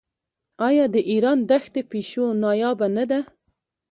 آیا د ایران دښتي پیشو نایابه نه ده؟